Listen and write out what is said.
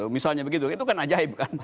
misalnya begitu itu kan ajaib kan